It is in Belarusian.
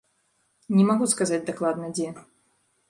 Не магу сказаць дакладна, дзе.